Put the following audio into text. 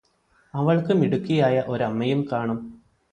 അവള്ക്ക് മിടുക്കിയായ ഒരമ്മയും കാണും